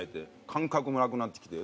感覚もなくなってきて。